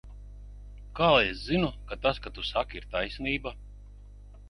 Kā lai es zinu, ka tas ka tu saki ir taisnība?